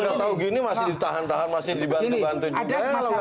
udah tahu gini masih ditahan tahan masih dibantu bantu juga